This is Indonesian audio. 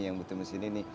yang butuh mesin ini